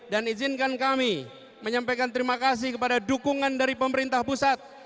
dan izinkan kami menyampaikan terima kasih kepada dukungan dari pemerintah pusat